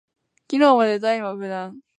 機能もデザインも無難